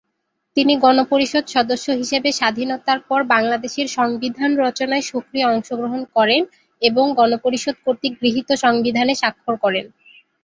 তিনি গণপরিষদ সদস্য হিসেবে স্বাধীনতার পর বাংলাদেশের সংবিধান রচনায় সক্রিয় অংশগ্রহণ করেন এবং গণপরিষদ কর্তৃক গৃহীত সংবিধানে স্বাক্ষর করেন।